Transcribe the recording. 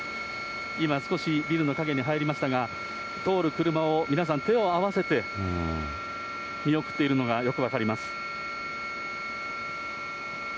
今、少しビルの陰に入りましたが、通る車を皆さん、手を合わせて見送っているのがよく分かります。